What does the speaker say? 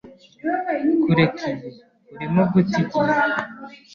Kureka iyi. Urimo guta igihe.